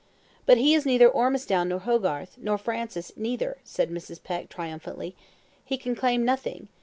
"But he is neither Ormistown nor Hogarth, nor Francis, neither," said Mrs. Peck, triumphantly. "He can claim nothing.